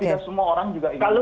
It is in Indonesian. tapi ya semua orang juga ingin tahu